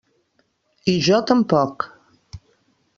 I jo tampoc.